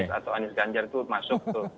atau anies ganjar itu masuk tuh